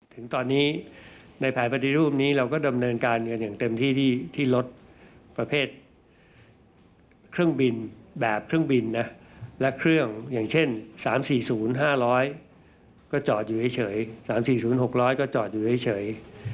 ถึงตอนนี้ในแผนปฏิรูปนี้เราก็ดำเนินการกันอย่างเต็มที่ที่รถประเภทเครื่องบินแบบเครื่องบินนะและเครื่องอย่างเช่น๓๔๐๕๐๐ก็จอดอยู่เฉย๓๔๐๖๐๐ก็จอดอยู่เฉย